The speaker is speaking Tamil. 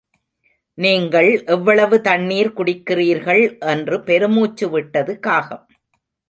நீங்கள் எவ்வளவு தண்ணிர் குடிக்கிறீர்கள்? என்று பெருமூச்சு விட்டது, காகம்.